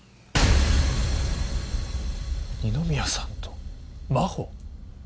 二宮さんと真帆⁉